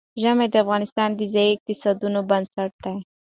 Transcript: ژمی د افغانستان د ځایي اقتصادونو بنسټ دی.